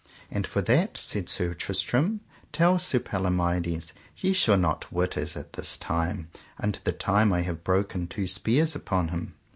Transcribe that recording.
As for that, said Sir Tristram, tell Sir Palomides ye shall not wit as at this time unto the time I have broken two spears upon him.